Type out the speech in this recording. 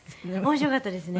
面白かったですね。